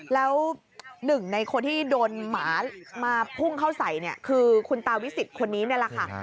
แล้วหนึ่งในคนที่โดนหมามาพุ่งเข้าใส่เนี่ยคือคุณตาวิสิทธิ์คนนี้นี่แหละค่ะ